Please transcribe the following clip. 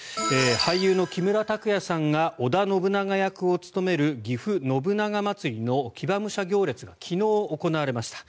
俳優の木村拓哉さんが織田信長役を務めるぎふ信長まつりの騎馬武者行列が昨日行われました。